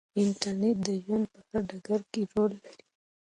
انټرنیټ د ژوند په هر ډګر کې رول لري.